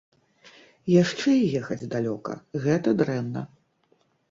Яшчэ і ехаць далёка, гэта дрэнна.